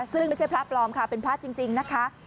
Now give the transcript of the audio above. ซึ่งไม่ใช่พระปลอมค่ะเป็นพระจริงนะคะ